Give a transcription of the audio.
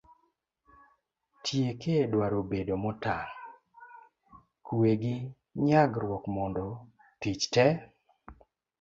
tieke dwaro bedo motang' ,kwe gi nyagruok mondo tich te